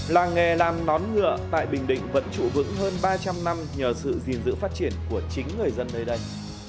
làng nghề làm nón ngựa tại bình định vẫn trụ vững hơn ba trăm linh năm nhờ sự gìn giữ phát triển của chính người dân nơi đây